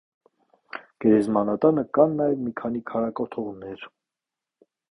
Գերեզմանատանը կան նաև մի քանի քարակոթողներ։